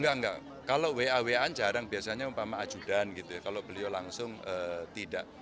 enggak enggak kalau wa wa an jarang biasanya umpama ajudan gitu ya kalau beliau langsung tidak